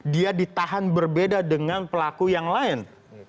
dia ditahan berbeda dengan pelaku yang lain